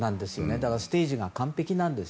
だからステージが完璧なんです。